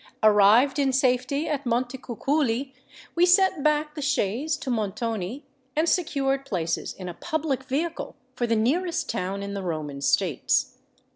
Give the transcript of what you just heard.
Arrived in safety at Montecuculi, we sent back the chaise to Montoni, and secured places in a public vehicle for the nearest town in the Roman States.